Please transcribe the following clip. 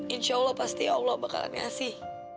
insya allah pasti allah bakalan ngasih